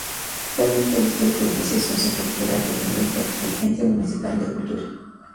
Actualmente el histórico edificio es un centro cultural dependiente del Ente Municipal de Cultura.